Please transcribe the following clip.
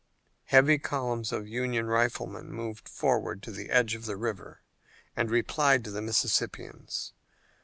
Heavy columns of Union riflemen moved forward to the edge of the river and replied to the Mississippians.